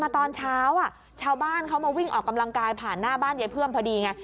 ตอนกำลังกายผ่านหน้าบ้านยายเพื่อมพอดีไง